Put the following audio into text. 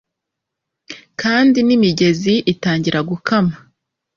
kandi nimigezi itangira gukama